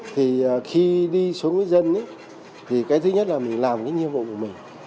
thì khi đi xuống với dân thì cái thứ nhất là mình làm cái nhiệm vụ của mình